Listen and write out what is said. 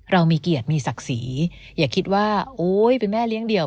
เรามีเกียรติมีศักดิ์ศรีอย่าคิดว่าโอ๊ยเป็นแม่เลี้ยงเดี่ยว